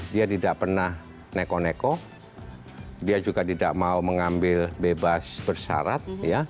dia tidak pernah neko neko dia juga tidak mau mengambil bebas bersyarat